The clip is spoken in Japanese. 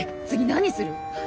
次何する？